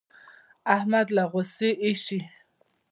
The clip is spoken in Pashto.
احمد له غوسې اېشي.